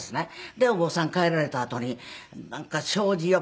でお坊さん帰られたあとになんか障子をバーン！